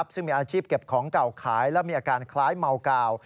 ซึ่งมีอาชีพเก็บของเก่าขายและมีอาการคล้ายเมากาว